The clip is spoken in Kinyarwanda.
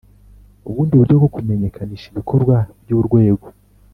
Ubundi buryo bwo kumenyekanisha ibikorwa by urwego